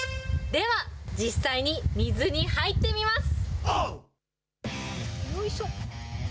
では実際に水に入ってみます。